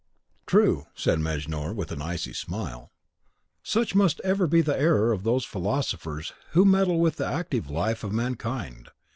"True," said Mejnour, with an icy smile; "such must ever be the error of those philosophers who would meddle with the active life of mankind.